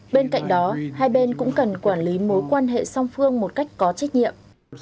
bên cạnh đó hai bên cũng cần quản lý mối quan hệ song phương một cách có trách nhiệm